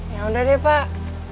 ya udah deh pak